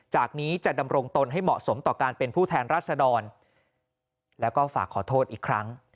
จากนี้จะดำรงตนให้เหมาะสมต่อการเป็นผู้แทนรัศดรแล้วก็ฝากขอโทษอีกครั้ง